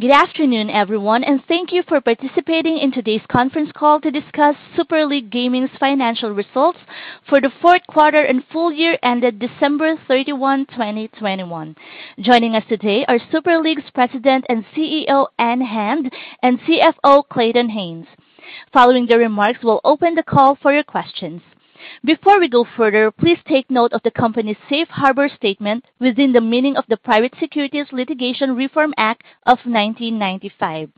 Good afternoon, everyone, and thank you for participating in today's conference call to discuss Super League Gaming's financial results for the fourth quarter and full year ended December 31, 2021. Joining us today are Super League's President and CEO, Ann Hand, and CFO, Clayton Haynes. Following the remarks, we'll open the call for your questions. Before we go further, please take note of the company's safe harbor statement within the meaning of the Private Securities Litigation Reform Act of 1995.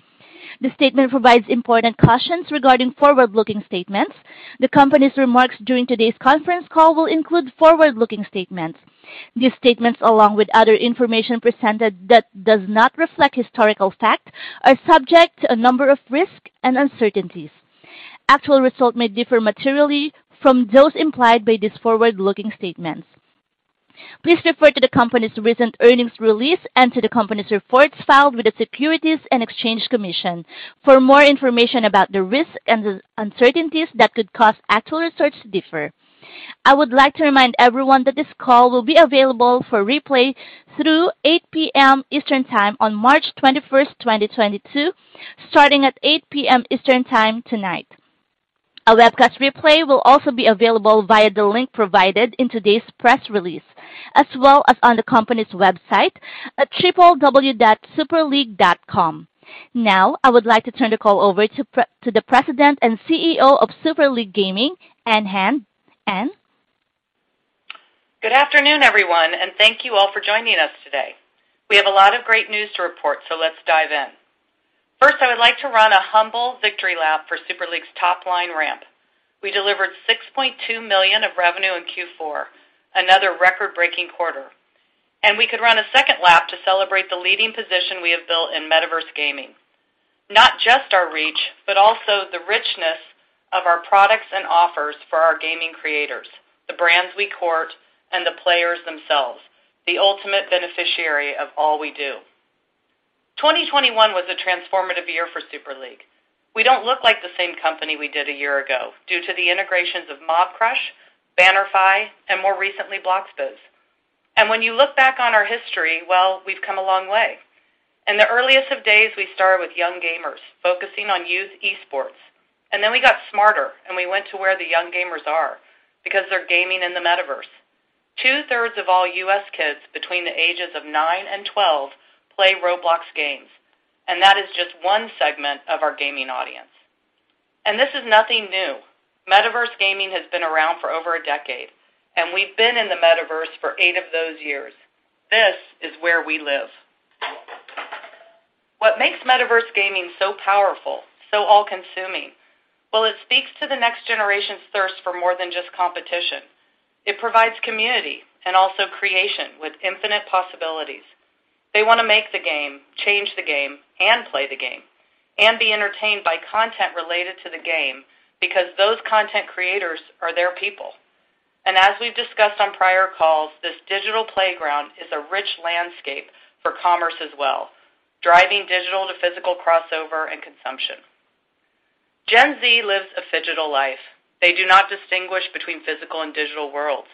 The statement provides important cautions regarding forward-looking statements. The company's remarks during today's conference call will include forward-looking statements. These statements, along with other information presented that does not reflect historical fact, are subject to a number of risks and uncertainties. Actual results may differ materially from those implied by these forward-looking statements. Please refer to the company's recent earnings release and to the company's reports filed with the Securities and Exchange Commission for more information about the risks and uncertainties that could cause actual results to differ. I would like to remind everyone that this call will be available for replay through 8 P.M. Eastern time on March 21st, 2022, starting at 8 P.M. Eastern time tonight. A webcast replay will also be available via the link provided in today's press release, as well as on the company's website at www.superleague.com. Now, I would like to turn the call over to the President and CEO of Super League Gaming, Ann Hand. Ann? Good afternoon, everyone, and thank you all for joining us today. We have a lot of great news to report, so let's dive in. First, I would like to run a humble victory lap for Super League's top-line ramp. We delivered $6.2 million of revenue in Q4, another record-breaking quarter. We could run a second lap to celebrate the leading position we have built in metaverse gaming. Not just our reach, but also the richness of our products and offers for our gaming creators, the brands we court, and the players themselves, the ultimate beneficiary of all we do. 2021 was a transformative year for Super League. We don't look like the same company we did a year ago due to the integrations of Mobcrush, Bannerfy, and more recently, Bloxbiz. When you look back on our history, well, we've come a long way. In the earliest of days, we started with young gamers focusing on youth e-sports. Then we got smarter, and we went to where the young gamers are because they're gaming in the metaverse. Two-thirds of all U.S. kids between the ages of nine and 12 play Roblox games, and that is just one segment of our gaming audience. This is nothing new. Metaverse gaming has been around for over a decade, and we've been in the metaverse for eight of those years. This is where we live. What makes metaverse gaming so powerful, so all-consuming? Well, it speaks to the next generation's thirst for more than just competition. It provides community and also creation with infinite possibilities. They want to make the game, change the game and play the game and be entertained by content related to the game because those content creators are their people. As we've discussed on prior calls, this digital playground is a rich landscape for commerce as well, driving digital to physical crossover and consumption. Gen Z lives a phygital life. They do not distinguish between physical and digital worlds,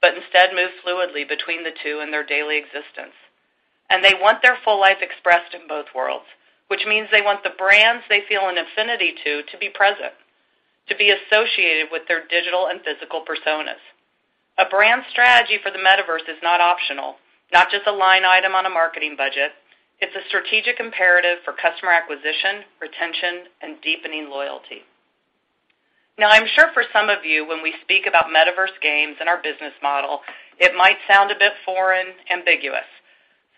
but instead move fluidly between the two in their daily existence. They want their full life expressed in both worlds, which means they want the brands they feel an affinity to be present, to be associated with their digital and physical personas. A brand strategy for the metaverse is not optional, not just a line item on a marketing budget. It's a strategic imperative for customer acquisition, retention, and deepening loyalty. Now, I'm sure for some of you, when we speak about metaverse games and our business model, it might sound a bit foreign, ambiguous.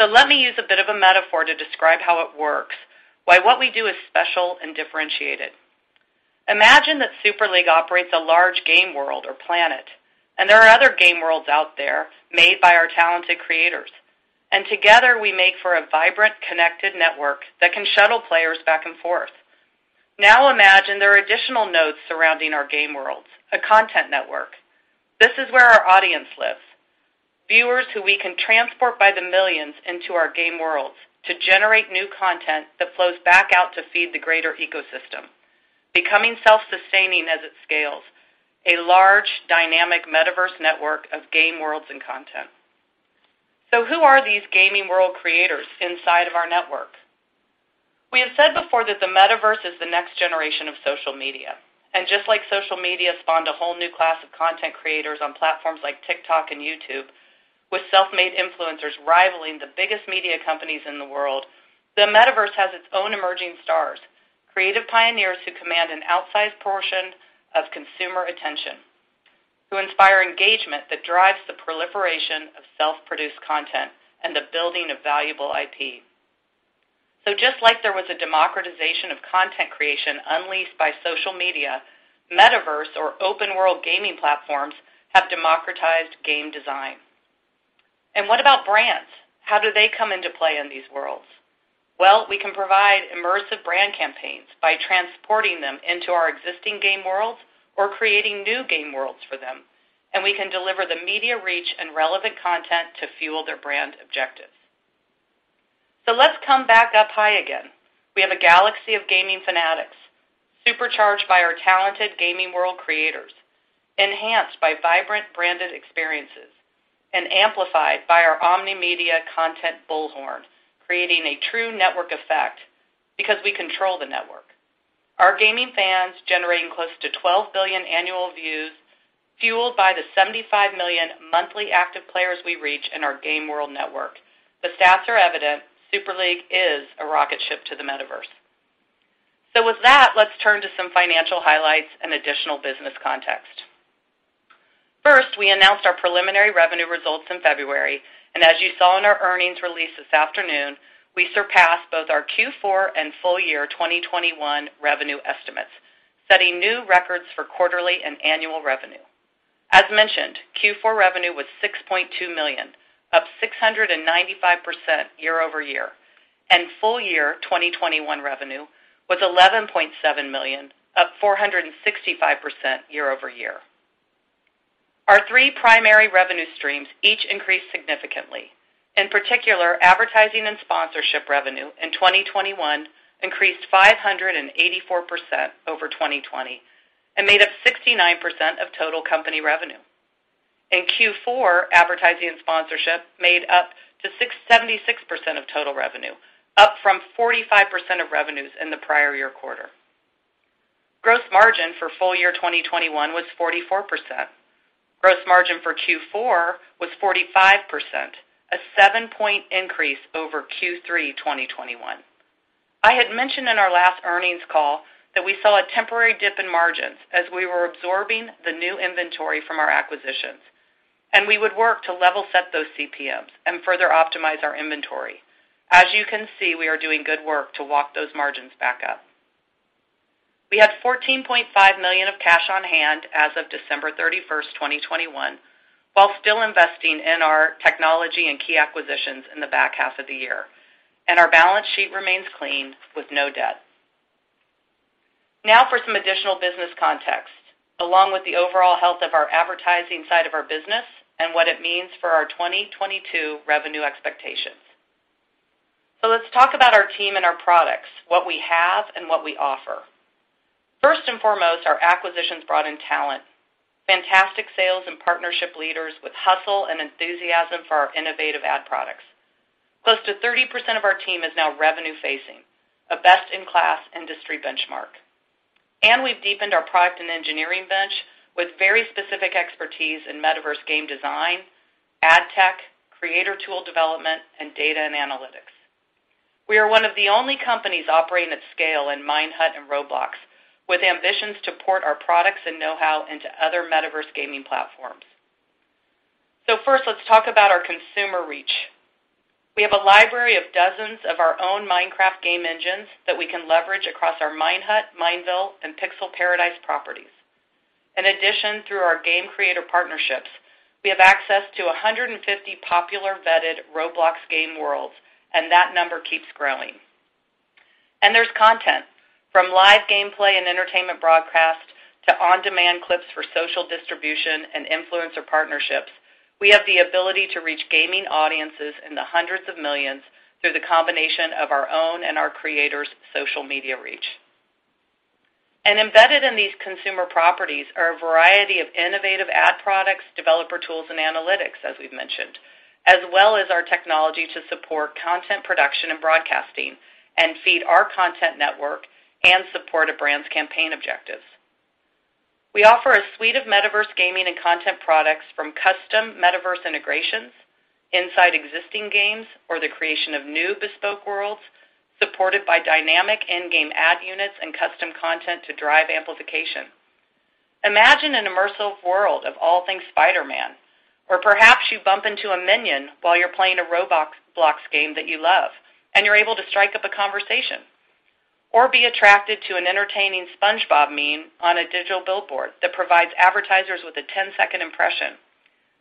Let me use a bit of a metaphor to describe how it works, why what we do is special and differentiated. Imagine that Super League operates a large game world or planet, and there are other game worlds out there made by our talented creators. Together, we make for a vibrant, connected network that can shuttle players back and forth. Now, imagine there are additional nodes surrounding our game worlds, a content network. This is where our audience lives. Viewers who we can transport by the millions into our game worlds to generate new content that flows back out to feed the greater ecosystem, becoming self-sustaining as it scales. A large dynamic metaverse network of game worlds and content. Who are these gaming world creators inside of our network? We have said before that the metaverse is the next generation of social media. Just like social media spawned a whole new class of content creators on platforms like TikTok and YouTube, with self-made influencers rivaling the biggest media companies in the world, the metaverse has its own emerging stars, creative pioneers who command an outsized portion of consumer attention, who inspire engagement that drives the proliferation of self-produced content and the building of valuable IP. Just like there was a democratization of content creation unleashed by social media, metaverse or open-world gaming platforms have democratized game design. What about brands? How do they come into play in these worlds? Well, we can provide immersive brand campaigns by transporting them into our existing game worlds or creating new game worlds for them, and we can deliver the media reach and relevant content to fuel their brand objectives. Let's come back up high again. We have a galaxy of gaming fanatics. Supercharged by our talented gaming world creators, enhanced by vibrant branded experiences, and amplified by our omni-media content bullhorn, creating a true network effect because we control the network. Our gaming fans generating close to 12 billion annual views, fueled by the 75 million monthly active players we reach in our game world network. The stats are evident. Super League is a rocket ship to the Metaverse. With that, let's turn to some financial highlights and additional business context. First, we announced our preliminary revenue results in February, and as you saw in our earnings release this afternoon, we surpassed both our Q4 and full year 2021 revenue estimates, setting new records for quarterly and annual revenue. As mentioned, Q4 revenue was $6.2 million, up 695% year-over-year, and full year 2021 revenue was $11.7 million, up 465% year-over-year. Our three primary revenue streams each increased significantly. In particular, advertising and sponsorship revenue in 2021 increased 584% over 2020 and made up 69% of total company revenue. In Q4, advertising and sponsorship made up 76% of total revenue, up from 45% of revenues in the prior year quarter. Gross margin for full year 2021 was 44%. Gross margin for Q4 was 45%, a seven-point increase over Q3 2021. I had mentioned in our last earnings call that we saw a temporary dip in margins as we were absorbing the new inventory from our acquisitions, and we would work to level set those CPMs and further optimize our inventory. As you can see, we are doing good work to walk those margins back up. We had $14.5 million of cash on hand as of December 31st, 2021, while still investing in our technology and key acquisitions in the back half of the year, and our balance sheet remains clean with no debt. Now for some additional business context, along with the overall health of our advertising side of our business and what it means for our 2022 revenue expectations. Let's talk about our team and our products, what we have and what we offer. First and foremost, our acquisitions brought in talent, fantastic sales and partnership leaders with hustle and enthusiasm for our innovative ad products. Close to 30% of our team is now revenue facing, a best-in-class industry benchmark. We've deepened our product and engineering bench with very specific expertise in Metaverse game design, ad tech, creator tool development, and data and analytics. We are one of the only companies operating at scale in Minehut and Roblox with ambitions to port our products and know-how into other Metaverse gaming platforms. First, let's talk about our consumer reach. We have a library of dozens of our own Minecraft game engines that we can leverage across our Minehut, Mineville, and Pixel Paradise properties. In addition, through our game creator partnerships, we have access to 150 popular vetted Roblox game worlds, and that number keeps growing. There's content from live gameplay and entertainment broadcast to on-demand clips for social distribution and influencer partnerships. We have the ability to reach gaming audiences in the hundreds of millions through the combination of our own and our creators' social media reach. Embedded in these consumer properties are a variety of innovative ad products, developer tools, and analytics, as we've mentioned, as well as our technology to support content production and broadcasting and feed our content network and support a brand's campaign objectives. We offer a suite of Metaverse gaming and content products from custom Metaverse integrations inside existing games or the creation of new bespoke worlds supported by dynamic in-game ad units and custom content to drive amplification. Imagine an immersive world of all things Spider-Man. Perhaps you bump into a Minion while you're playing a Roblox game that you love, and you're able to strike up a conversation or be attracted to an entertaining SpongeBob meme on a digital billboard that provides advertisers with a 10-second impression.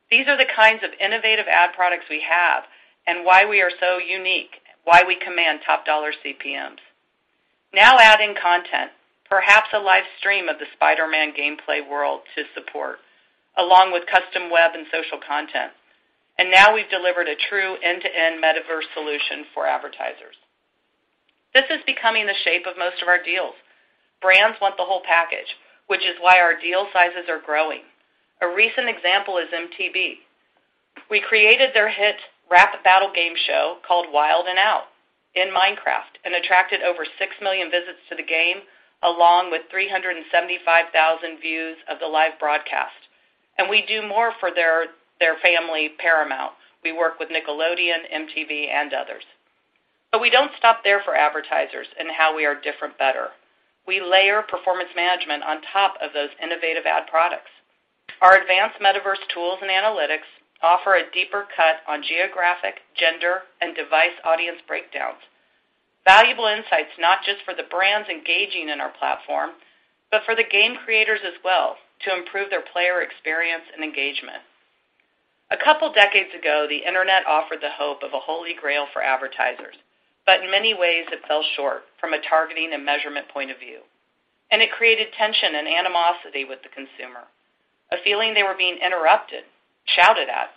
These are the kinds of innovative ad products we have and why we are so unique, why we command top-dollar CPMs. Now adding content, perhaps a live stream of the Spider-Man gameplay world to support, along with custom web and social content. Now we've delivered a true end-to-end metaverse solution for advertisers. This is becoming the shape of most of our deals. Brands want the whole package, which is why our deal sizes are growing. A recent example is MTV. We created their hit rap battle game show called Wild 'N Out in Minecraft and attracted over 6 million visits to the game, along with 375,000 views of the live broadcast. We do more for their family, Paramount. We work with Nickelodeon, MTV, and others. We don't stop there for advertisers and how we are different better. We layer performance management on top of those innovative ad products. Our advanced Metaverse tools and analytics offer a deeper cut on geographic, gender, and device audience breakdowns. Valuable insights not just for the brands engaging in our platform, but for the game creators as well to improve their player experience and engagement. A couple decades ago, the Internet offered the hope of a Holy Grail for advertisers, but in many ways it fell short from a targeting and measurement point of view. It created tension and animosity with the consumer, a feeling they were being interrupted, shouted at.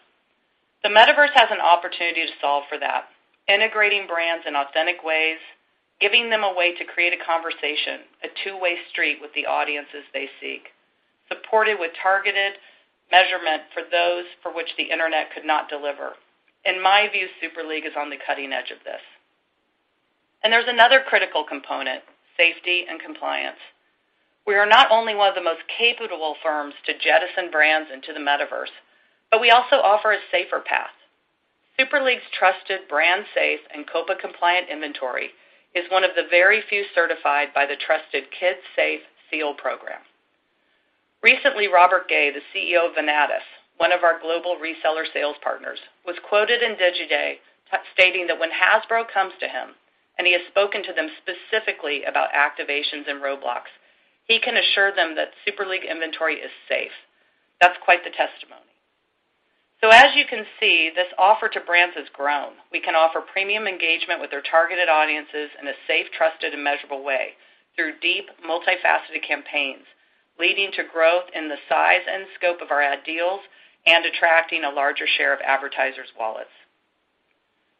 The Metaverse has an opportunity to solve for that, integrating brands in authentic ways, giving them a way to create a conversation, a two-way street with the audiences they seek, supported with targeted measurement for those for which the Internet could not deliver. In my view, Super League is on the cutting edge of this. There's another critical component, safety and compliance. We are not only one of the most capable firms to jettison brands into the Metaverse, but we also offer a safer path. Super League's trusted brand-safe and COPPA-compliant inventory is one of the very few certified by the trusted kidSAFE Seal program. Recently, Robert Gay, the CEO of Venatus, one of our global reseller sales partners, was quoted in Digiday stating that when Hasbro comes to him, and he has spoken to them specifically about activations and Roblox, he can assure them that Super League inventory is safe. That's quite the testimony. As you can see, this offer to brands has grown. We can offer premium engagement with their targeted audiences in a safe, trusted, and measurable way through deep, multifaceted campaigns, leading to growth in the size and scope of our ad deals and attracting a larger share of advertisers' wallets.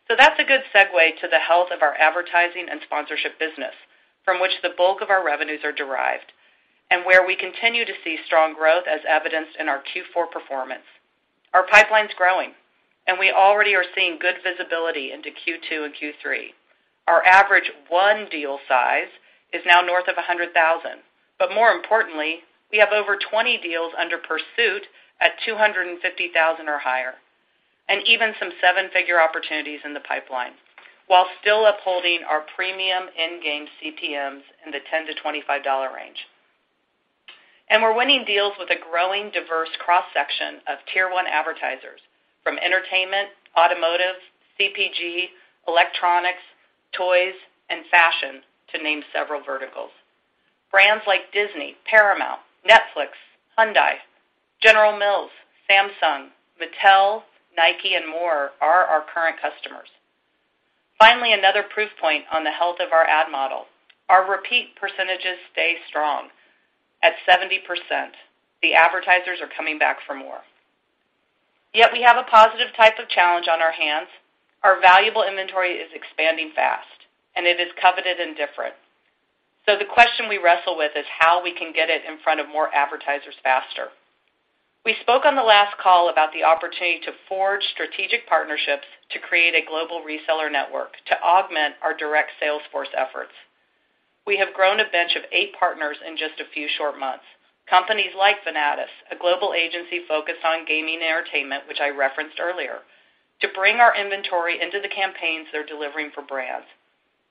That's a good segue to the health of our advertising and sponsorship business from which the bulk of our revenues are derived and where we continue to see strong growth as evidenced in our Q4 performance. Our pipeline is growing, and we already are seeing good visibility into Q2 and Q3. Our average deal size is now north of $100,000, but more importantly, we have over 20 deals under pursuit at $250,000 or higher, and even some seven-figure opportunities in the pipeline while still upholding our premium in-game CPMs in the $10-$25 range. We're winning deals with a growing diverse cross-section of tier-one advertisers, from entertainment, automotive, CPG, electronics, toys, and fashion, to name several verticals. Brands like Disney, Paramount, Netflix, Hyundai, General Mills, Samsung, Mattel, Nike, and more are our current customers. Finally, another proof point on the health of our ad model. Our repeat percentages stay strong. At 70%, the advertisers are coming back for more. Yet we have a positive type of challenge on our hands. Our valuable inventory is expanding fast, and it is coveted and different. The question we wrestle with is how we can get it in front of more advertisers faster. We spoke on the last call about the opportunity to forge strategic partnerships to create a global reseller network to augment our direct sales force efforts. We have grown a bench of eight partners in just a few short months. Companies like Vanadis, a global agency focused on gaming and entertainment, which I referenced earlier, to bring our inventory into the campaigns they're delivering for brands.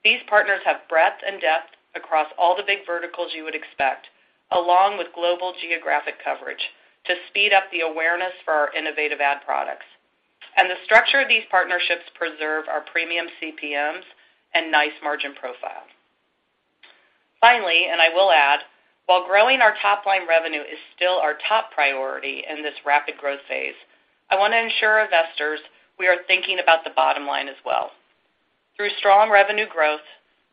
These partners have breadth and depth across all the big verticals you would expect, along with global geographic coverage to speed up the awareness for our innovative ad products. The structure of these partnerships preserve our premium CPMs and nice margin profile. Finally, I will add, while growing our top-line revenue is still our top priority in this rapid growth phase, I want to ensure investors we are thinking about the bottom line as well. Through strong revenue growth,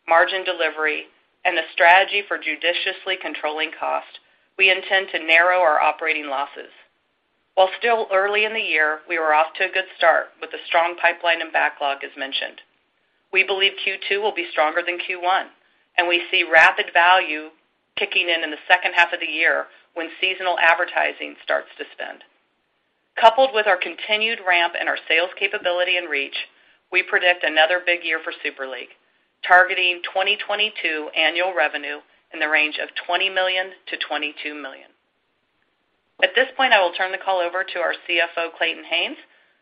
margin delivery, and the strategy for judiciously controlling cost, we intend to narrow our operating losses. While still early in the year, we were off to a good start with a strong pipeline and backlog as mentioned. We believe Q2 will be stronger than Q1, and we see rapid value kicking in in the second half of the year when seasonal advertising starts to spend. Coupled with our continued ramp in our sales capability and reach, we predict another big year for Super League, targeting 2022 annual revenue in the range of $20 million-$22 million. At this point, I will turn the call over to our CFO, Clayton Haynes,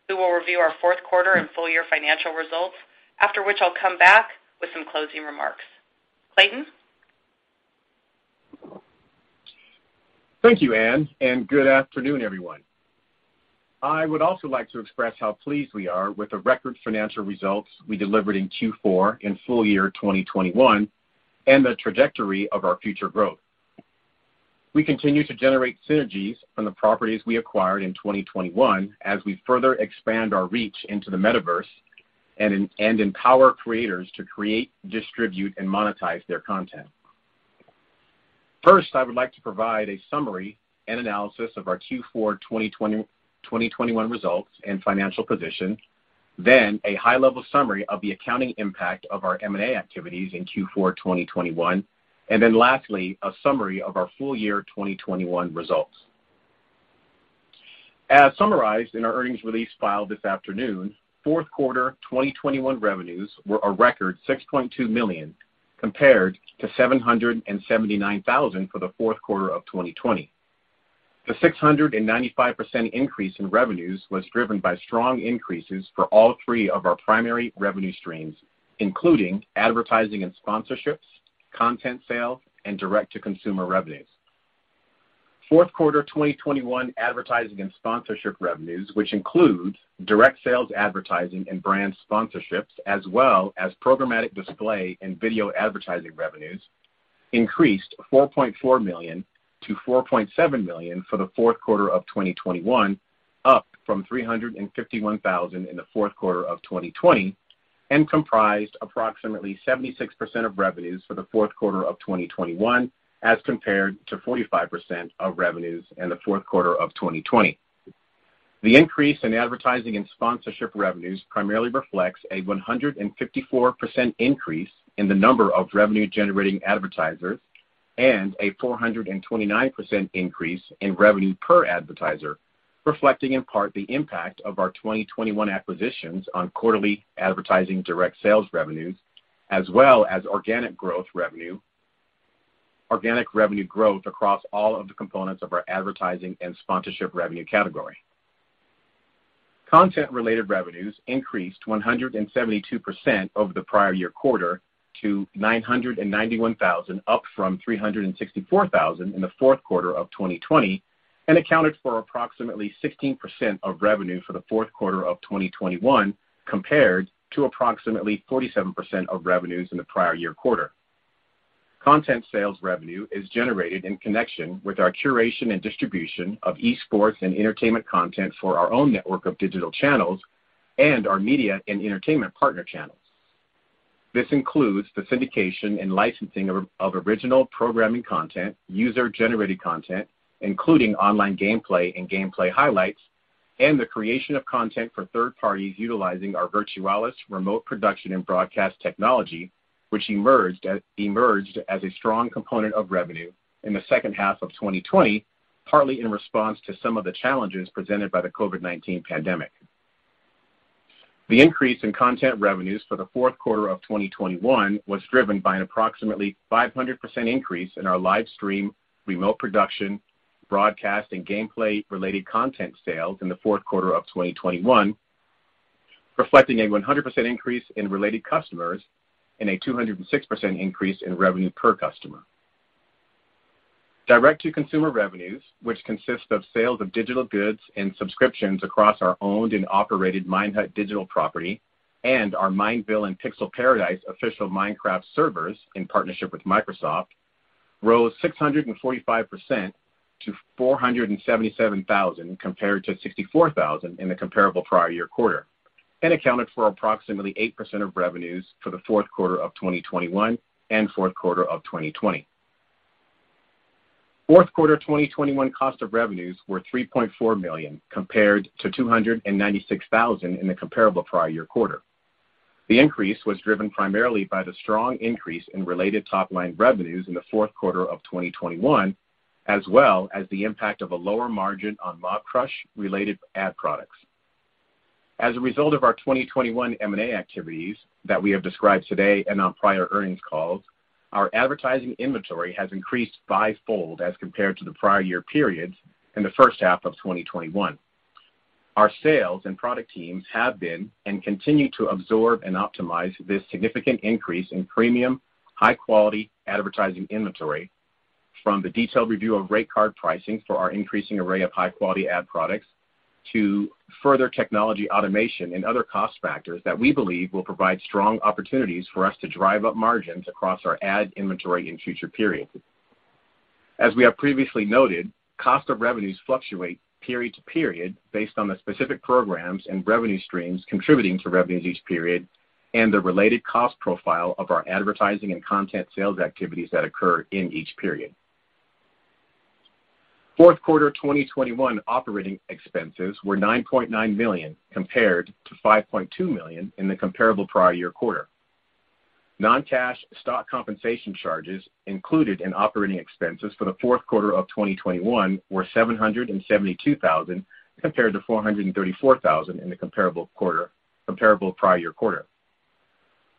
who will review our fourth quarter and full-year financial results, after which I'll come back with some closing remarks. Clayton? Thank you, Anne, and good afternoon, everyone. I would also like to express how pleased we are with the record financial results we delivered in Q4 in full year 2021 and the trajectory of our future growth. We continue to generate synergies from the properties we acquired in 2021 as we further expand our reach into the Metaverse and empower creators to create, distribute, and monetize their content. First, I would like to provide a summary and analysis of our Q4 2021 results and financial position. Then a high-level summary of the accounting impact of our M&A activities in Q4 2021. Then lastly, a summary of our full year 2021 results. As summarized in our earnings release filed this afternoon, fourth quarter 2021 revenues were a record $6.2 million compared to $779,000 for the fourth quarter of 2020. The 695% increase in revenues was driven by strong increases for all three of our primary revenue streams, including advertising and sponsorships, content sales, and direct-to-consumer revenues. Fourth quarter 2021 advertising and sponsorship revenues, which include direct sales, advertising, and brand sponsorships, as well as programmatic display and video advertising revenues, increased $4.4 million-$4.7 million for the fourth quarter of 2021, up from $351,000 in the fourth quarter of 2020. Comprised approximately 76% of revenues for the fourth quarter of 2021 as compared to 45% of revenues in the fourth quarter of 2020. The increase in advertising and sponsorship revenues primarily reflects a 154% increase in the number of revenue-generating advertisers and a 429% increase in revenue per advertiser, reflecting in part the impact of our 2021 acquisitions on quarterly advertising direct sales revenues as well as organic revenue growth across all of the components of our advertising and sponsorship revenue category. Content-related revenues increased 172% over the prior year quarter to $991,000, up from $364,000 in the fourth quarter of 2020, and accounted for approximately 16% of revenue for the fourth quarter of 2021, compared to approximately 47% of revenues in the prior year quarter. Content sales revenue is generated in connection with our curation and distribution of esports and entertainment content for our own network of digital channels and our media and entertainment partner channels. This includes the syndication and licensing of original programming content, user-generated content, including online gameplay and gameplay highlights, and the creation of content for third parties utilizing our Virtualis remote production and broadcast technology, which emerged as a strong component of revenue in the second half of 2020, partly in response to some of the challenges presented by the COVID-19 pandemic. The increase in content revenues for the fourth quarter of 2021 was driven by an approximately 500% increase in our live stream, remote production, broadcast, and gameplay-related content sales in the fourth quarter of 2021, reflecting a 100% increase in related customers and a 206% increase in revenue per customer. Direct-to-consumer revenues, which consist of sales of digital goods and subscriptions across our owned and operated Minehut digital property and our Mineville and Pixel Paradise official Minecraft servers in partnership with Microsoft, rose 645% to $477,000 compared to $64,000 in the comparable prior year quarter, and accounted for approximately 8% of revenues for the fourth quarter of 2021 and fourth quarter of 2020. Fourth quarter 2021 cost of revenues were $3.4 million compared to $296,000 in the comparable prior year quarter. The increase was driven primarily by the strong increase in related top-line revenues in the fourth quarter of 2021, as well as the impact of a lower margin on Mobcrush-related ad products. As a result of our 2021 M&A activities that we have described today and on prior earnings calls, our advertising inventory has increased five-fold as compared to the prior year periods in the first half of 2021. Our sales and product teams have been and continue to absorb and optimize this significant increase in premium, high-quality advertising inventory from the detailed review of rate card pricing for our increasing array of high-quality ad products to further technology automation and other cost factors that we believe will provide strong opportunities for us to drive up margins across our ad inventory in future periods. As we have previously noted, cost of revenues fluctuate period to period based on the specific programs and revenue streams contributing to revenues each period and the related cost profile of our advertising and content sales activities that occur in each period. Fourth quarter 2021 operating expenses were $9.9 million compared to $5.2 million in the comparable prior year quarter. Non-cash stock compensation charges included in operating expenses for the fourth quarter of 2021 were $772,000 compared to $434,000 in the comparable prior year quarter.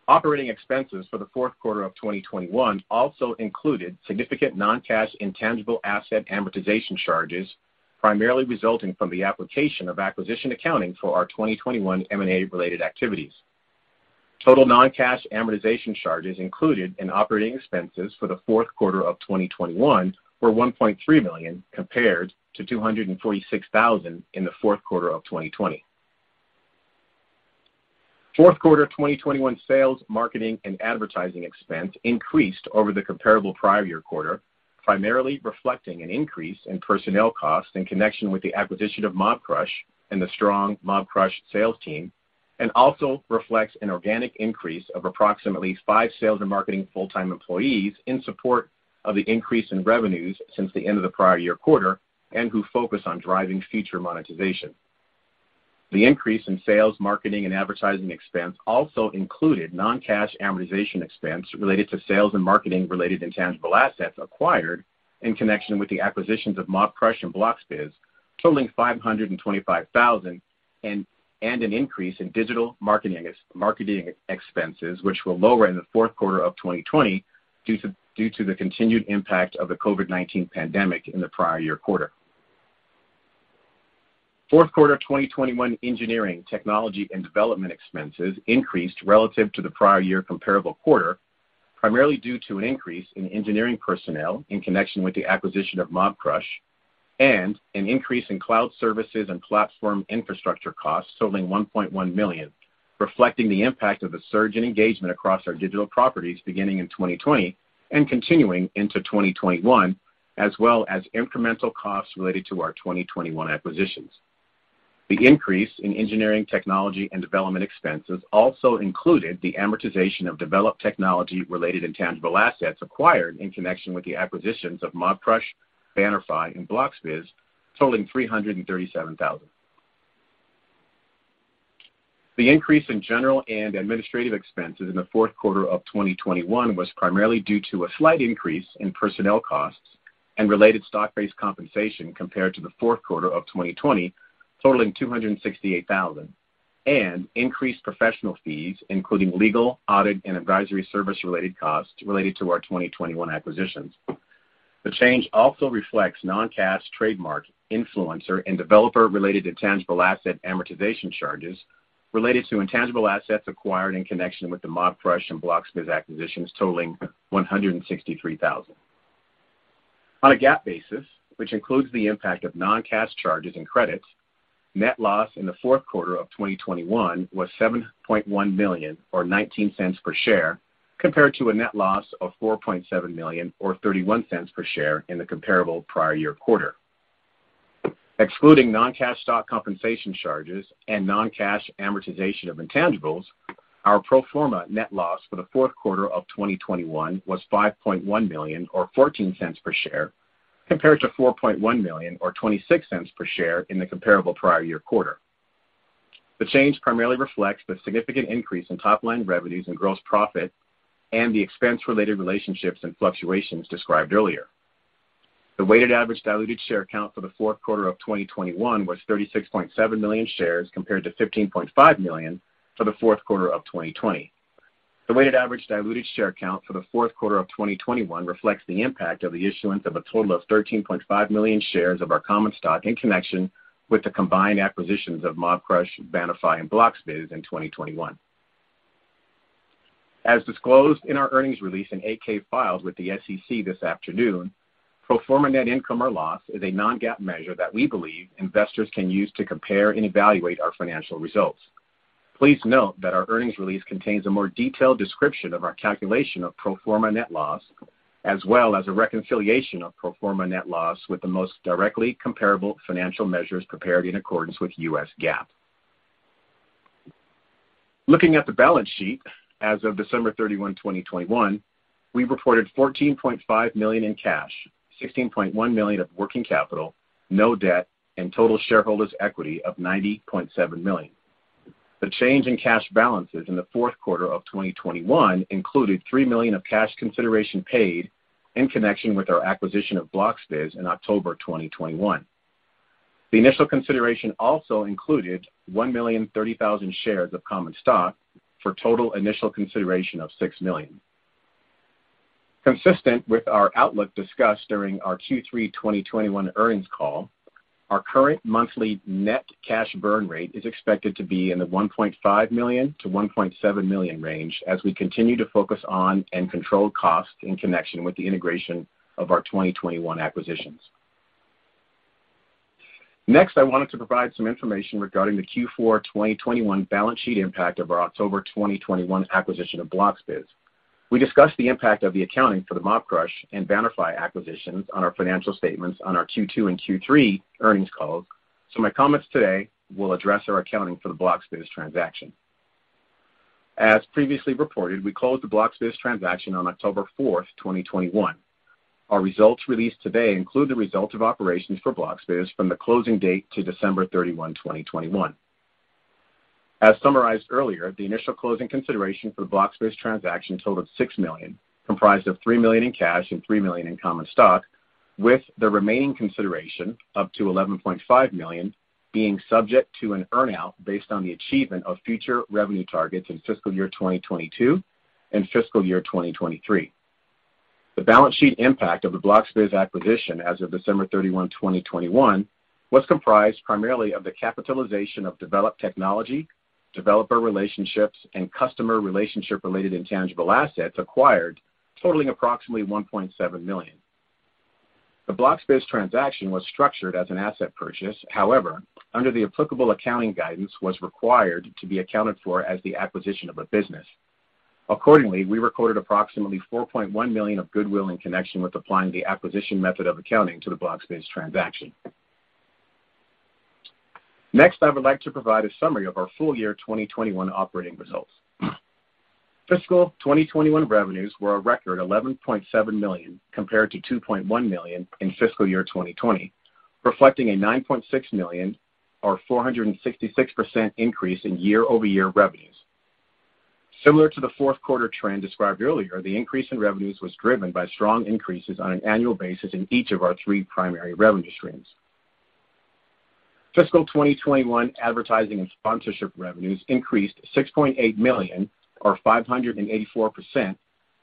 Operating expenses for the fourth quarter of 2021 also included significant non-cash intangible asset amortization charges, primarily resulting from the application of acquisition accounting for our 2021 M&A-related activities. Total non-cash amortization charges included in operating expenses for the fourth quarter of 2021 were $1.3 million compared to $246,000 in the fourth quarter of 2020. Fourth quarter 2021 sales, marketing, and advertising expense increased over the comparable prior year quarter, primarily reflecting an increase in personnel costs in connection with the acquisition of Mobcrush and the strong Mobcrush sales team, and also reflects an organic increase of approximately five sales and marketing full-time employees in support of the increase in revenues since the end of the prior year quarter and who focus on driving future monetization. The increase in sales, marketing, and advertising expense also included non-cash amortization expense related to sales and marketing-related intangible assets acquired in connection with the acquisitions of Mobcrush and Bloxbiz, totaling $525,000, and an increase in digital marketing expenses which were lower in the fourth quarter of 2020 due to the continued impact of the COVID-19 pandemic in the prior year quarter. Fourth quarter 2021 engineering, technology, and development expenses increased relative to the prior year comparable quarter, primarily due to an increase in engineering personnel in connection with the acquisition of Mobcrush and an increase in cloud services and platform infrastructure costs totaling $1.1 million, reflecting the impact of the surge in engagement across our digital properties beginning in 2020 and continuing into 2021. As well as incremental costs related to our 2021 acquisitions. The increase in engineering, technology and development expenses also included the amortization of developed technology related intangible assets acquired in connection with the acquisitions of Mobcrush, Bannerfy, and Bloxbiz, totaling $337,000. The increase in general and administrative expenses in the fourth quarter of 2021 was primarily due to a slight increase in personnel costs and related stock-based compensation compared to the fourth quarter of 2020, totaling $268,000, and increased professional fees, including legal, audit, and advisory service related costs related to our 2021 acquisitions. The change also reflects non-cash trademark, influencer, and developer-related intangible asset amortization charges related to intangible assets acquired in connection with the Mobcrush and Bloxbiz acquisitions totaling $163,000. On a GAAP basis, which includes the impact of non-cash charges and credits, net loss in the fourth quarter of 2021 was $7.1 million or $0.19 per share, compared to a net loss of $4.7 million or $0.31 per share in the comparable prior year quarter. Excluding non-cash stock compensation charges and non-cash amortization of intangibles, our pro forma net loss for the fourth quarter of 2021 was $5.1 million or $0.14 per share, compared to $4.1 million or $0.26 per share in the comparable prior year quarter. The change primarily reflects the significant increase in top line revenues and gross profit and the expense related relationships and fluctuations described earlier. The weighted average diluted share count for the fourth quarter of 2021 was 36.7 million shares compared to 15.5 million for the fourth quarter of 2020. The weighted average diluted share count for the fourth quarter of 2021 reflects the impact of the issuance of a total of 13.5 million shares of our common stock in connection with the combined acquisitions of Mobcrush, Bannerfy, and Bloxbiz in 2021. As disclosed in our earnings release in 8-K filed with the SEC this afternoon, pro forma net income or loss is a non-GAAP measure that we believe investors can use to compare and evaluate our financial results. Please note that our earnings release contains a more detailed description of our calculation of pro forma net loss, as well as a reconciliation of pro forma net loss with the most directly comparable financial measures prepared in accordance with U.S. GAAP. Looking at the balance sheet as of December 31, 2021, we reported $14.5 million in cash, $16.1 million of working capital, no debt and total shareholders equity of $90.7 million. The change in cash balances in the fourth quarter of 2021 included $3 million of cash consideration paid in connection with our acquisition of Bloxbiz in October 2021. The initial consideration also included 1,030,000 shares of common stock for total initial consideration of $6 million. Consistent with our outlook discussed during our Q3 2021 earnings call, our current monthly net cash burn rate is expected to be in the $1.5 million-$1.7 million range as we continue to focus on and control costs in connection with the integration of our 2021 acquisitions. Next, I wanted to provide some information regarding the Q4 2021 balance sheet impact of our October 2021 acquisition of Bloxbiz. We discussed the impact of the accounting for the Mobcrush and Bannerfy acquisitions on our financial statements on our Q2 and Q3 earnings calls. My comments today will address our accounting for the Bloxbiz transaction. As previously reported, we closed the Bloxbiz transaction on October 4th, 2021. Our results released today include the results of operations for Bloxbiz from the closing date to December 31, 2021. As summarized earlier, the initial closing consideration for the Bloxbiz transaction totaled $6 million, comprised of $3 million in cash and $3 million in common stock, with the remaining consideration up to $11.5 million being subject to an earn-out based on the achievement of future revenue targets in fiscal year 2022 and fiscal year 2023. The balance sheet impact of the Bloxbiz acquisition as of December 31, 2021, was comprised primarily of the capitalization of developed technology, developer relationships, and customer relationship related intangible assets acquired totaling approximately $1.7 million. The Bloxbiz transaction was structured as an asset purchase, however, under the applicable accounting guidance was required to be accounted for as the acquisition of a business. Accordingly, we recorded approximately $4.1 million of goodwill in connection with applying the acquisition method of accounting to the Bloxbiz transaction. Next, I would like to provide a summary of our full year 2021 operating results. Fiscal 2021 revenues were a record $11.7 million compared to $2.1 million in fiscal year 2020, reflecting a $9.6 million or 466% increase in year-over-year revenues. Similar to the fourth quarter trend described earlier, the increase in revenues was driven by strong increases on an annual basis in each of our three primary revenue streams. Fiscal 2021 advertising and sponsorship revenues increased $6.8 million or 584%,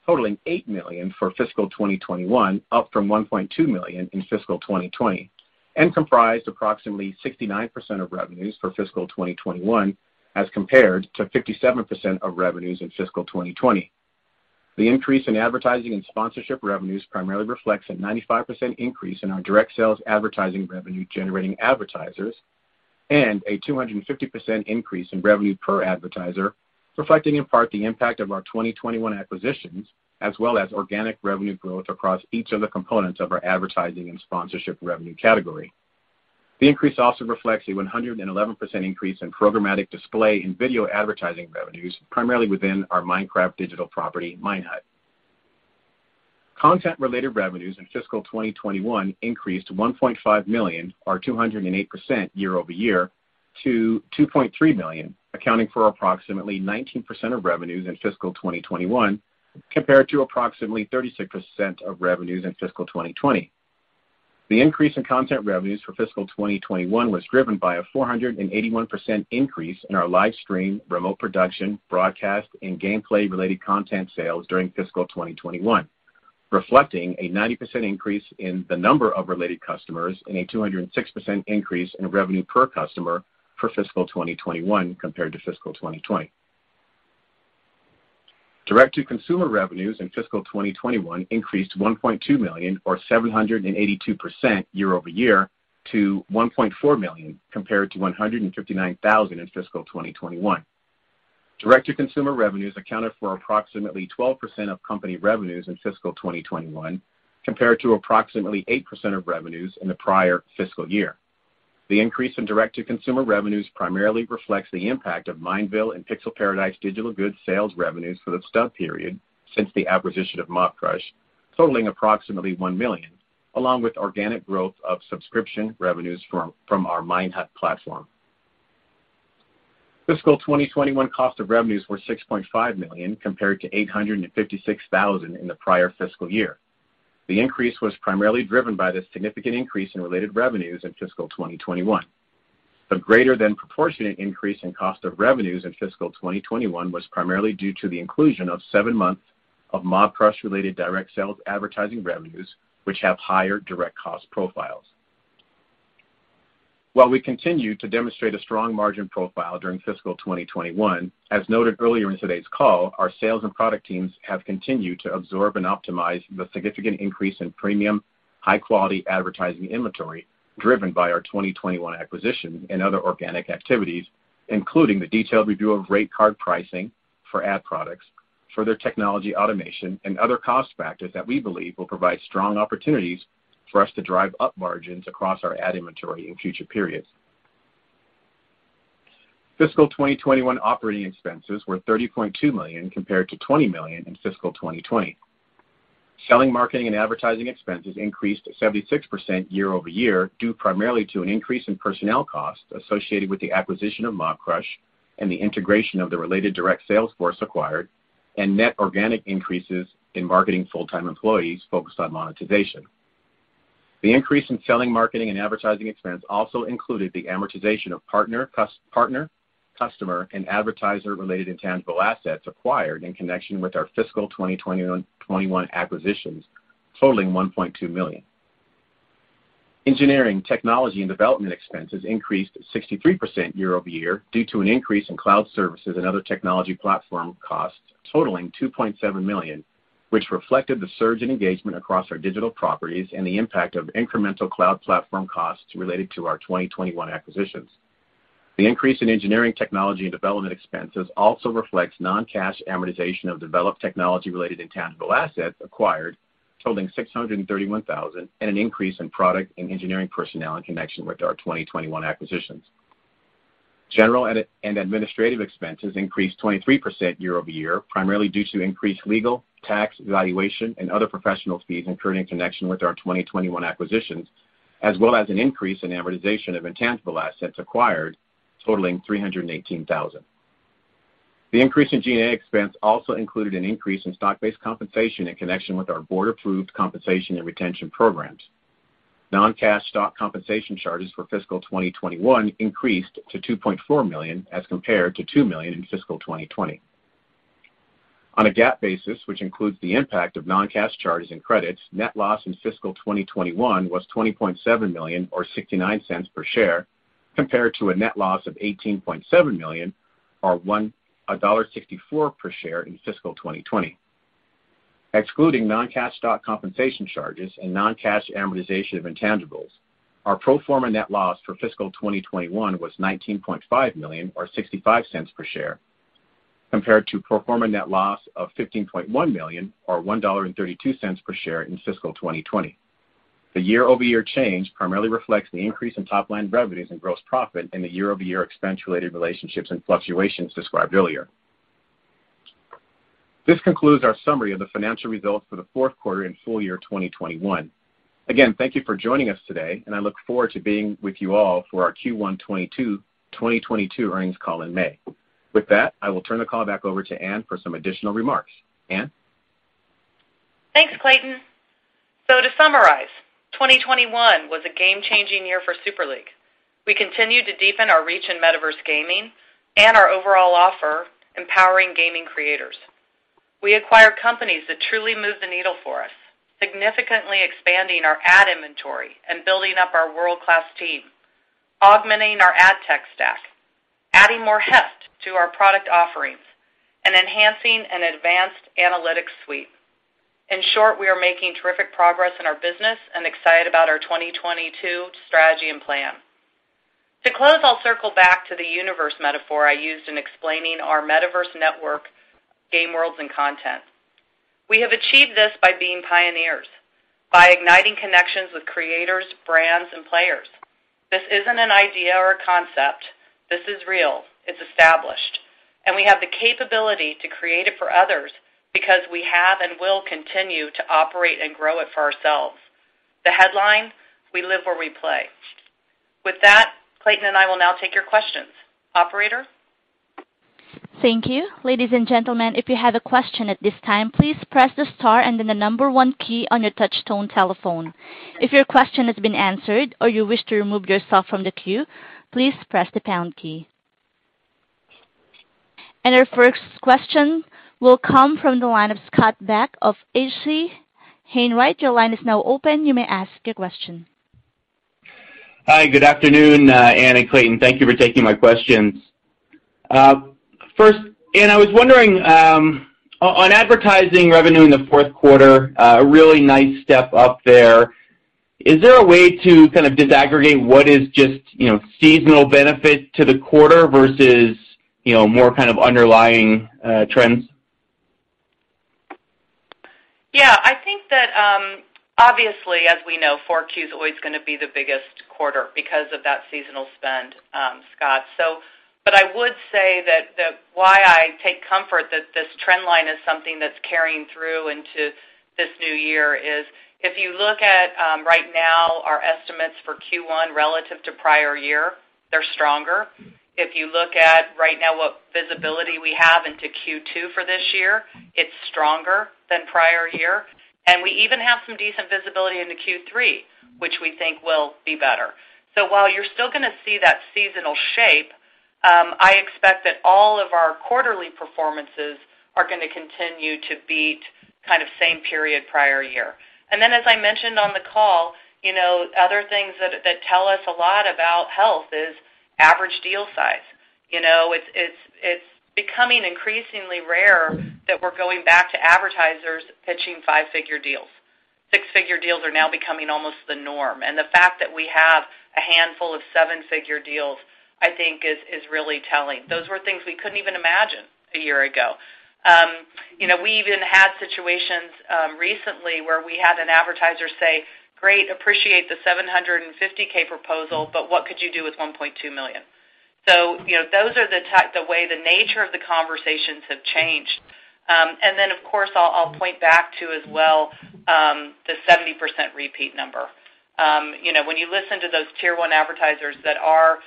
totaling $8 million for fiscal 2021, up from $1.2 million in fiscal 2020, and comprised approximately 69% of revenues for fiscal 2021 as compared to 57% of revenues in fiscal 2020. The increase in advertising and sponsorship revenues primarily reflects a 95% increase in our direct sales advertising revenue-generating advertisers and a 250% increase in revenue per advertiser, reflecting in part the impact of our 2021 acquisitions, as well as organic revenue growth across each of the components of our advertising and sponsorship revenue category. The increase also reflects a 111% increase in programmatic display and video advertising revenues, primarily within our Minecraft digital property, Minehut. Content-related revenues in fiscal 2021 increased to $1.5 million, or 208% year-over-year, to $2.3 million, accounting for approximately 19% of revenues in fiscal 2021, compared to approximately 36% of revenues in fiscal 2020. The increase in content revenues for fiscal 2021 was driven by a 481% increase in our live stream, remote production, broadcast, and gameplay-related content sales during fiscal 2021, reflecting a 90% increase in the number of related customers and a 206% increase in revenue per customer for fiscal 2021 compared to fiscal 2020. Direct-to-consumer revenues in fiscal 2021 increased $1.2 million or 782% year-over-year to $1.4 million, compared to $159,000 in fiscal 2020. Direct-to-consumer revenues accounted for approximately 12% of company revenues in fiscal 2021, compared to approximately 8% of revenues in the prior fiscal year. The increase in direct-to-consumer revenues primarily reflects the impact of Mineville and Pixel Paradise digital goods sales revenues for the stub period since the acquisition of Mobcrush, totaling approximately $1 million, along with organic growth of subscription revenues from our Minehut platform. Fiscal 2021 cost of revenues were $6.5 million, compared to $856,000 in the prior fiscal year. The increase was primarily driven by the significant increase in related revenues in fiscal 2021. The greater than proportionate increase in cost of revenues in fiscal 2021 was primarily due to the inclusion of seven months of Mobcrush-related direct sales advertising revenues, which have higher direct cost profiles. While we continue to demonstrate a strong margin profile during fiscal 2021, as noted earlier in today's call, our sales and product teams have continued to absorb and optimize the significant increase in premium high-quality advertising inventory driven by our 2021 acquisition and other organic activities, including the detailed review of rate card pricing for ad products, further technology automation, and other cost factors that we believe will provide strong opportunities for us to drive up margins across our ad inventory in future periods. Fiscal 2021 operating expenses were $30.2 million compared to $20 million in fiscal 2020. Selling, marketing, and advertising expenses increased 76% year-over-year, due primarily to an increase in personnel costs associated with the acquisition of Mobcrush and the integration of the related direct sales force acquired, and net organic increases in marketing full-time employees focused on monetization. The increase in selling, marketing, and advertising expense also included the amortization of partner, customer, and advertiser-related intangible assets acquired in connection with our fiscal 2021 acquisitions totaling $1.2 million. Engineering, technology, and development expenses increased 63% year-over-year due to an increase in cloud services and other technology platform costs totaling $2.7 million, which reflected the surge in engagement across our digital properties and the impact of incremental cloud platform costs related to our 2021 acquisitions. The increase in engineering, technology, and development expenses also reflects non-cash amortization of developed technology-related intangible assets acquired, totaling $631,000, and an increase in product and engineering personnel in connection with our 2021 acquisitions. General and administrative expenses increased 23% year-over-year, primarily due to increased legal, tax, valuation, and other professional fees incurred in connection with our 2021 acquisitions, as well as an increase in amortization of intangible assets acquired, totaling $318,000. The increase in G&A expense also included an increase in stock-based compensation in connection with our board-approved compensation and retention programs. Non-cash stock compensation charges for fiscal 2021 increased to $2.4 million as compared to $2 million in fiscal 2020. On a GAAP basis, which includes the impact of non-cash charges and credits, net loss in fiscal 2021 was $20.7 million or $0.69 per share, compared to a net loss of $18.7 million or $1.64 per share in fiscal 2020. Excluding non-cash stock compensation charges and non-cash amortization of intangibles, our pro forma net loss for fiscal 2021 was $19.5 million or $0.65 per share, compared to pro forma net loss of $15.1 million or $1.32 per share in fiscal 2020. The year-over-year change primarily reflects the increase in top-line revenues and gross profit in the year-over-year expense-related relationships and fluctuations described earlier. This concludes our summary of the financial results for the fourth quarter and full year 2021. Again, thank you for joining us today, and I look forward to being with you all for our Q1 2022 earnings call in May. With that, I will turn the call back over to Ann for some additional remarks. Ann? Thanks, Clayton. To summarize, 2021 was a game-changing year for Super League. We continued to deepen our reach in metaverse gaming and our overall offer, empowering gaming creators. We acquired companies that truly moved the needle for us, significantly expanding our ad inventory and building up our world-class team, augmenting our ad tech stack, adding more heft to our product offerings and enhancing an advanced analytics suite. In short, we are making terrific progress in our business and excited about our 2022 strategy and plan. To close, I'll circle back to the universe metaphor I used in explaining our metaverse network game worlds and content. We have achieved this by being pioneers, by igniting connections with creators, brands, and players. This isn't an idea or a concept. This is real, it's established, and we have the capability to create it for others because we have and will continue to operate and grow it for ourselves. The headline: We live where we play. With that, Clayton and I will now take your questions. Operator? Thank you. Ladies and gentlemen, if you have a question at this time, please press the star and then the number one key on your touchtone telephone. If your question has been answered or you wish to remove yourself from the queue, please press the pound key. Our first question will come from the line of Scott Buck of H.C. Wainwright. Your line is now open. You may ask your question. Hi. Good afternoon, Ann and Clayton. Thank you for taking my questions. First, Ann, I was wondering on advertising revenue in the fourth quarter, a really nice step up there. Is there a way to kind of disaggregate what is just, you know, seasonal benefit to the quarter versus, you know, more kind of underlying trends? Yeah. I think that, obviously, as we know, Q4 is always gonna be the biggest quarter because of that seasonal spend, Scott. I would say that's why I take comfort that this trend line is something that's carrying through into this new year is if you look at right now our estimates for Q1 relative to prior year, they're stronger. If you look at right now what visibility we have into Q2 for this year, it's stronger than prior year. And we even have some decent visibility into Q3, which we think will be better. While you're still gonna see that seasonal shape, I expect that all of our quarterly performances are gonna continue to beat kind of same period prior year. As I mentioned on the call, you know, other things that tell us a lot about health is average deal size. You know, it's becoming increasingly rare that we're going back to advertisers pitching five-figure deals. Six-figure deals are now becoming almost the norm. The fact that we have a handful of seven-figure deals, I think is really telling. Those were things we couldn't even imagine a year ago. You know, we even had situations recently where we had an advertiser say, "Great, appreciate the $750K proposal, but what could you do with $1.2 million?" You know, those are the way the nature of the conversations have changed. Of course, I'll point back to as well the 70% repeat number. You know, when you listen to those tier one advertisers that are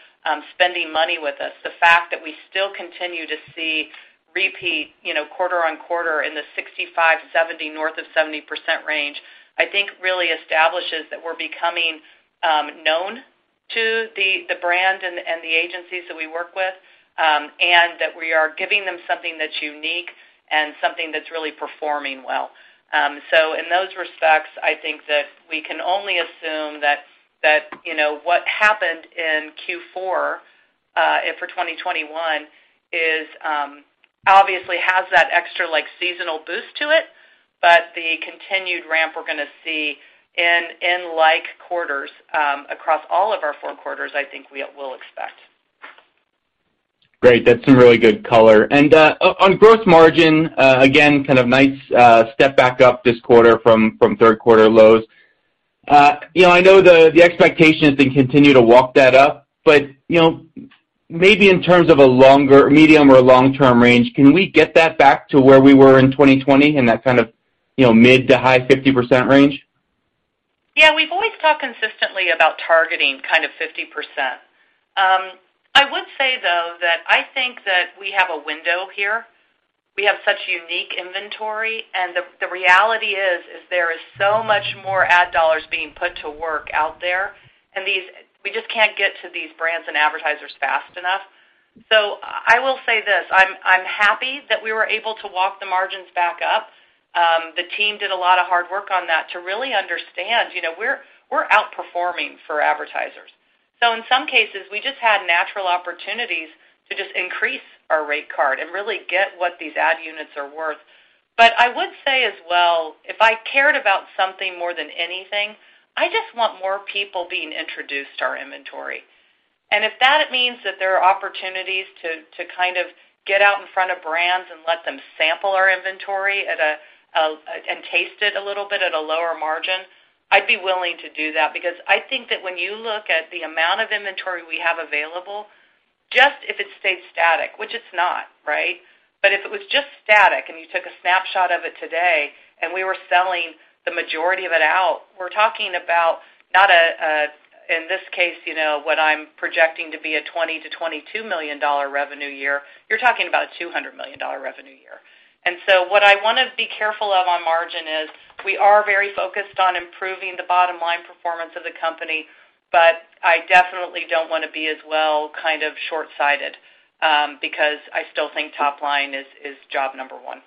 spending money with us, the fact that we still continue to see repeat, you know, quarter-on-quarter in the 65, 70, north of 70% range, I think really establishes that we're becoming known to the brand and the agencies that we work with, and that we are giving them something that's unique and something that's really performing well. In those respects, I think that we can only assume that you know what happened in Q4 for 2021 is obviously has that extra like seasonal boost to it, but the continued ramp we're gonna see in like quarters across all of our four quarters, I think we will expect. Great. That's some really good color. On gross margin, again, kind of nice step back up this quarter from third quarter lows. You know, I know the expectation has been continue to walk that up, but you know, maybe in terms of a longer medium or long-term range, can we get that back to where we were in 2020 in that kind of, you know, mid- to high-50% range? Yeah. We've always talked consistently about targeting kind of 50%. I would say, though, that I think that we have a window here. We have such unique inventory, and the reality is there is so much more ad dollars being put to work out there. We just can't get to these brands and advertisers fast enough. I will say this, I'm happy that we were able to walk the margins back up. The team did a lot of hard work on that to really understand, you know, we're outperforming for advertisers. In some cases, we just had natural opportunities to just increase our rate card and really get what these ad units are worth. I would say as well, if I cared about something more than anything, I just want more people being introduced to our inventory. If that means that there are opportunities to kind of get out in front of brands and let them sample our inventory at a and taste it a little bit at a lower margin, I'd be willing to do that because I think that when you look at the amount of inventory we have available, just if it stays static, which it's not, right? But if it was just static and you took a snapshot of it today and we were selling the majority of it out, we're talking about not in this case, you know, what I'm projecting to be a $20 million-$22 million revenue year, you're talking about $200 million revenue year. What I wanna be careful of on margin is we are very focused on improving the bottom line performance of the company, but I definitely don't wanna be as well kind of short-sighted, because I still think top line is job number one.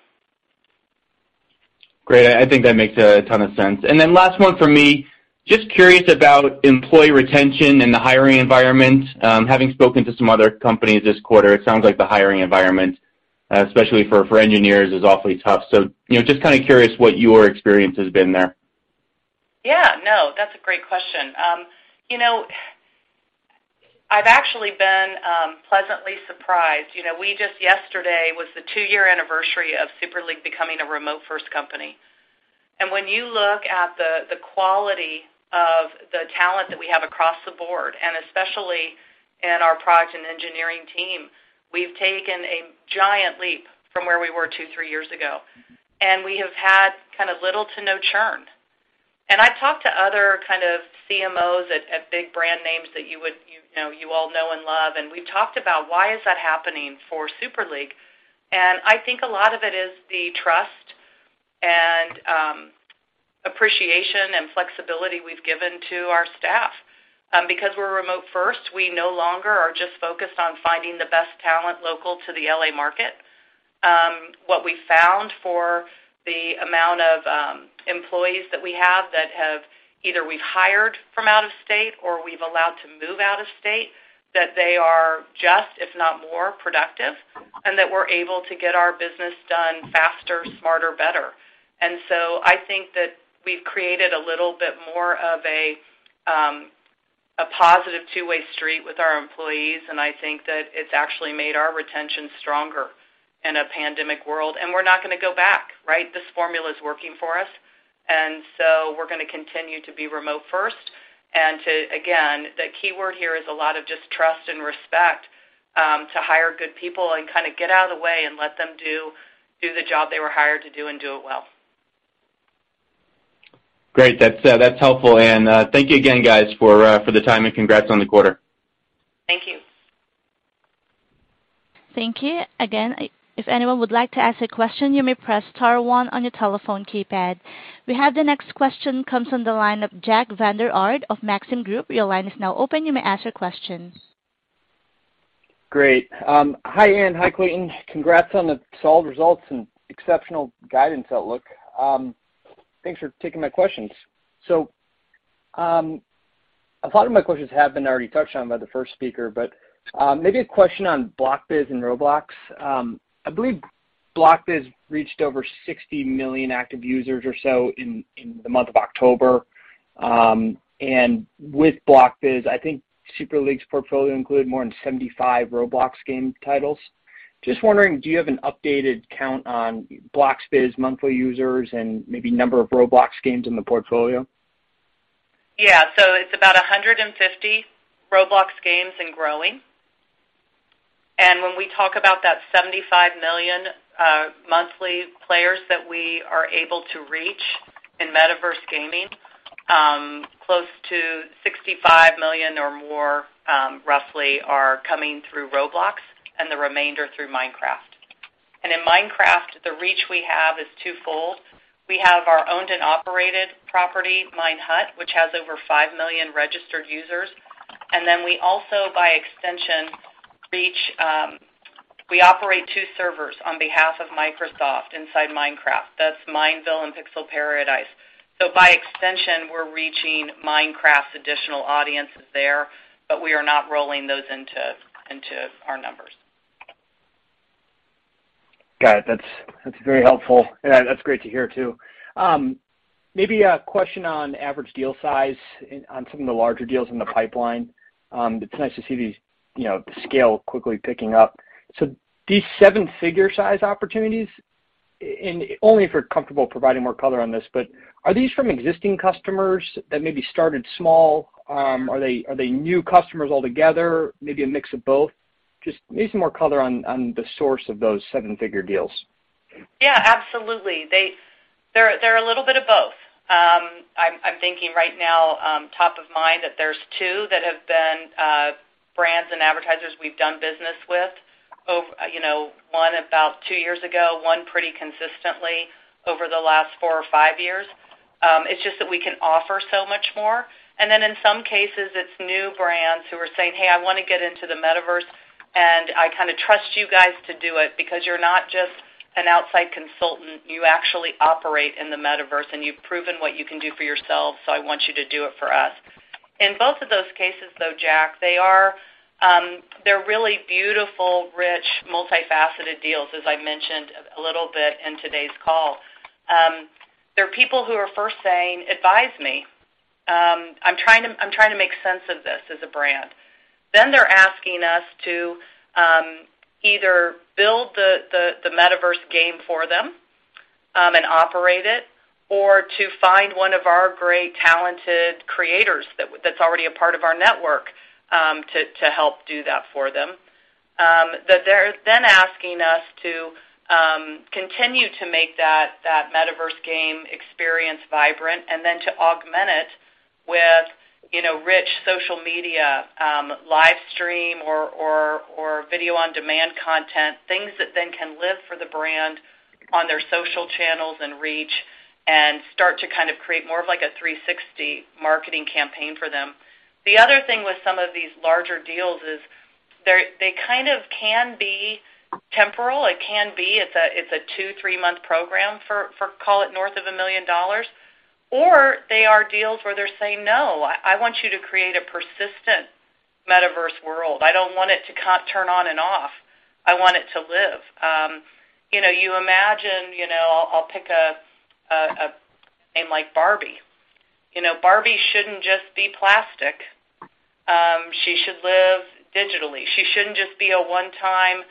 Great. I think that makes a ton of sense. Then last one for me, just curious about employee retention in the hiring environment. Having spoken to some other companies this quarter, it sounds like the hiring environment, especially for engineers, is awfully tough. You know, just kind of curious what your experience has been there. Yeah, no, that's a great question. I've actually been pleasantly surprised. You know, we just yesterday was the two-year anniversary of Super League becoming a remote-first company. When you look at the quality of the talent that we have across the board, and especially in our product and engineering team, we've taken a giant leap from where we were two, three years ago. We have had kind of little to no churn. I've talked to other kind of CMOs at big brand names that you would, you know, you all know and love, and we've talked about why is that happening for Super League. I think a lot of it is the trust and appreciation and flexibility we've given to our staff. Because we're remote first, we no longer are just focused on finding the best talent local to the L.A. market. What we found for the amount of employees that we have that have either we've hired from out of state or we've allowed to move out of state, that they are just, if not more productive, and that we're able to get our business done faster, smarter, better. I think that we've created a little bit more of a positive two-way street with our employees, and I think that it's actually made our retention stronger in a pandemic world, and we're not gonna go back, right? This formula is working for us. We're gonna continue to be remote first and to... Again, the keyword here is a lot of just trust and respect to hire good people and kind of get out of the way and let them do the job they were hired to do and do it well. Great. That's helpful. Thank you again, guys, for the time, and congrats on the quarter. Thank you. Thank you. Again, if anyone would like to ask a question, you may press star one on your telephone keypad. We have the next question comes from the line of Jack Vander Aarde of Maxim Group. Your line is now open. You may ask your question. Great. Hi, Ann. Hi, Clayton. Congrats on the solid results and exceptional guidance outlook. Thanks for taking my questions. A lot of my questions have been already touched on by the first speaker, but maybe a question on Bloxbiz and Roblox. I believe Bloxbiz reached over 60 million active users or so in the month of October. And with Bloxbiz, I think Super League's portfolio included more than 75 Roblox game titles. Just wondering, do you have an updated count on Bloxbiz monthly users and maybe number of Roblox games in the portfolio? Yeah. It's about 150 Roblox games and growing. When we talk about that 75 million monthly players that we are able to reach in metaverse gaming, close to 65 million or more roughly are coming through Roblox and the remainder through Minecraft. In Minecraft, the reach we have is twofold. We have our owned and operated property, Minehut, which has over 5 million registered users. Then we also by extension we operate two servers on behalf of Microsoft inside Minecraft. That's Mineville and Pixel Paradise. By extension, we're reaching Minecraft's additional audiences there, but we are not rolling those into our numbers. Got it. That's very helpful. Yeah, that's great to hear too. Maybe a question on average deal size on some of the larger deals in the pipeline. It's nice to see these, you know, the scale quickly picking up. So these seven-figure size opportunities, and only if you're comfortable providing more color on this, but are these from existing customers that maybe started small? Are they new customers altogether? Maybe a mix of both. Just maybe some more color on the source of those seven-figure deals. Yeah, absolutely. They're a little bit of both. I'm thinking right now, top of mind that there's two that have been, brands and advertisers we've done business with over, you know, one about two years ago, one pretty consistently over the last four or five years. It's just that we can offer so much more. And then in some cases, it's new brands who are saying, "Hey, I wanna get into the metaverse, and I kind of trust you guys to do it because you're not just an outside consultant. You actually operate in the metaverse, and you've proven what you can do for yourself, so I want you to do it for us." In both of those cases, though, Jack, they're really beautiful, rich, multifaceted deals, as I mentioned a little bit in today's call. They're people who are first saying, "Advise me. I'm trying to make sense of this as a brand." Then they're asking us to either build the metaverse game for them and operate it or to find one of our great talented creators that's already a part of our network to help do that for them. That they're then asking us to continue to make that metaverse game experience vibrant and then to augment it with, you know, rich social media, live stream or video on-demand content, things that then can live for the brand on their social channels and reach and start to kind of create more of like a three-sixty marketing campaign for them. The other thing with some of these larger deals is they kind of can be temporal. It can be. It's a two to three-month program for call it north of $1 million. Or they are deals where they're saying, "No, I want you to create a persistent metaverse world. I don't want it to turn on and off. I want it to live." You know, you imagine. You know, I'll pick a name like Barbie. You know, Barbie shouldn't just be plastic. She should live digitally. She shouldn't just be a one-time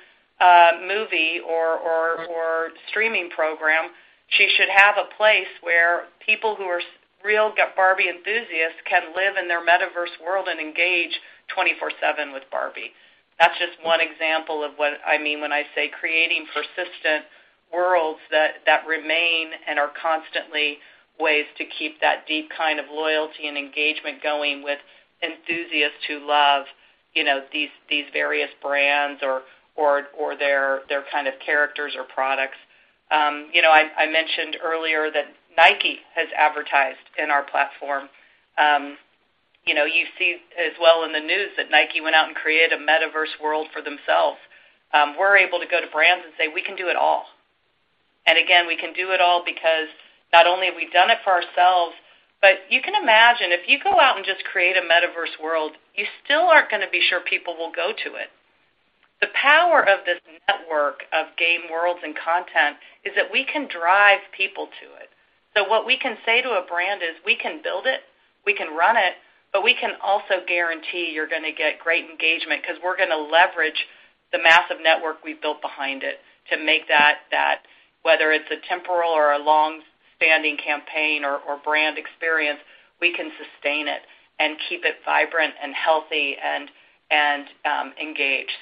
movie or streaming program. She should have a place where people who are real Barbie enthusiasts can live in their metaverse world and engage 24/7 with Barbie. That's just one example of what I mean when I say creating persistent worlds that remain and are constantly ways to keep that deep kind of loyalty and engagement going with enthusiasts who love, you know, these various brands or their kind of characters or products. You know, I mentioned earlier that Nike has advertised in our platform. You know, you see as well in the news that Nike went out and created a metaverse world for themselves. We're able to go to brands and say, "We can do it all." Again, we can do it all because not only have we done it for ourselves, but you can imagine if you go out and just create a metaverse world, you still aren't gonna be sure people will go to it. The power of this network of game worlds and content is that we can drive people to it. What we can say to a brand is, "We can build it, we can run it, but we can also guarantee you're gonna get great engagement 'cause we're gonna leverage the massive network we've built behind it to make that. Whether it's a temporal or a long-standing campaign or brand experience, we can sustain it and keep it vibrant and healthy and engaged."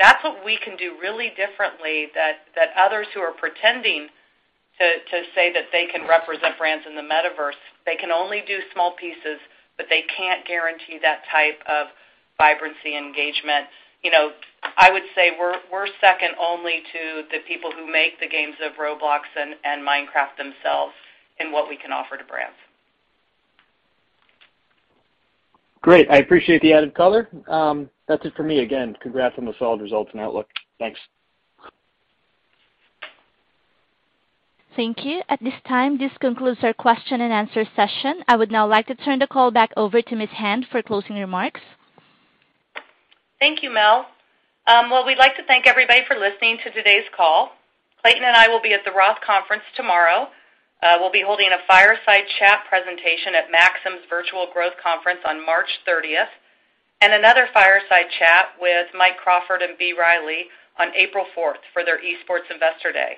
That's what we can do really differently that others who are pretending to say that they can represent brands in the metaverse. They can only do small pieces, but they can't guarantee that type of vibrancy engagement. You know, I would say we're second only to the people who make the games of Roblox and Minecraft themselves in what we can offer to brands. Great. I appreciate the added color. That's it for me. Again, congrats on the solid results and outlook. Thanks. Thank you. At this time, this concludes our question and answer session. I would now like to turn the call back over to Ms. Hand for closing remarks. Thank you, Mel. We'd like to thank everybody for listening to today's call. Clayton and I will be at the Roth Conference tomorrow. We'll be holding a fireside chat presentation at Maxim's Virtual Growth Conference on March 30th, and another fireside chat with Mike Crawford of B. Riley on April 4th for their Esports Investor Day.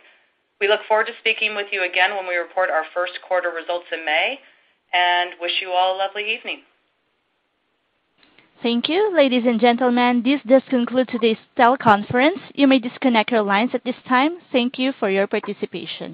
We look forward to speaking with you again when we report our first quarter results in May, and wish you all a lovely evening. Thank you. Ladies and gentlemen, this does conclude today's teleconference. You may disconnect your lines at this time. Thank you for your participation.